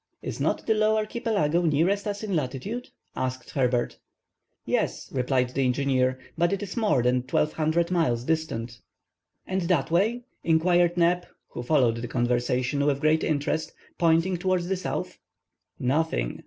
"Is not the Low Archipelago nearest us in latitude," asked Herbert. "Yes," replied the engineer, "but it is more than 1,200 miles distant." "And that way?" inquired Neb, who followed the conversation with great interest, pointing towards the south. "Nothing!"